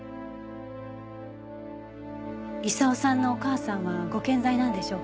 功さんのお母さんはご健在なんでしょうか？